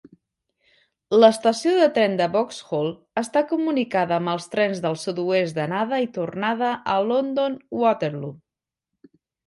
L'estació de tren de Vauxhall està comunicada amb els trens del sud-oest d'anada i tornada a London Waterloo.